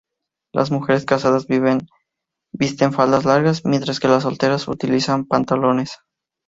Las mujeres casadas visten faldas largas mientras que las solteras utilizan pantalones.